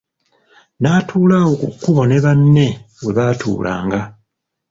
Natuula awo ku kkubo ne banne webaatuulanga.